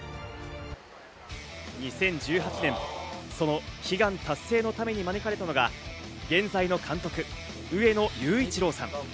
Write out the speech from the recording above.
２０１８年、その悲願達成のために招かれたのが現在の監督・上野裕一郎さん。